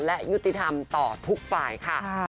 และยุติธรรมต่อทุกฝ่ายค่ะ